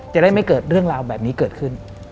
จะได้ไม่เกิดเรื่องราวแบบนี้เกิดขึ้น